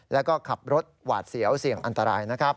แล้วก็ขับรถหวาดเสียวเสี่ยงอันตรายนะครับ